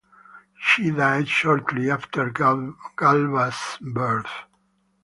She died shortly after Galba's birth.